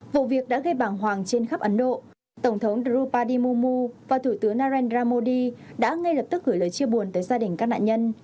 vụ việc đã gây bảng hoàng trên khắp ấn độ tổng thống drubardimumu và thủ tướng narendra modi đã ngay lập tức gửi lời chia buồn tới gia đình các nạn nhân